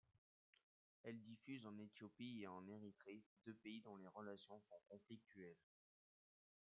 Elle diffuse en Éthiopie et en Érythrée, deux pays dont les relations sont conflictuelles.